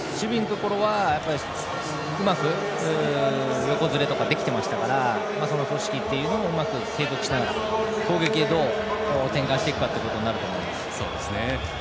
守備のところはうまく横ずれなどできていましたので、その組織をうまく継続しながら攻撃をどう展開していくかになると思います。